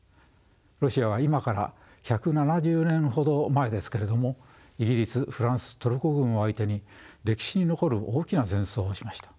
ロシアは今から１７０年ほど前ですけれどもイギリスフランストルコ軍を相手に歴史に残る大きな戦争をしました。